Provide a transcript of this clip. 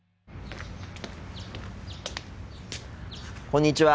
こんにちは。